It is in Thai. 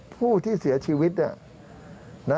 ผู้ที่เสียชีวิตเนี่ย